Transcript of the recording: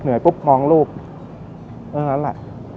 เออนั่นแหละ